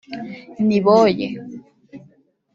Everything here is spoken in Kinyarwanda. Niboye